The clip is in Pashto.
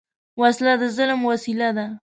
وسله د ظلم وسیله ده